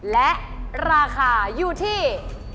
และราคาอยู่ที่